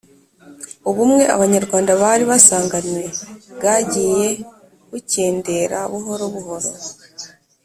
ubumwe abanyarwanda bari basanganywe bwagiye bukendera buhoro buhoro.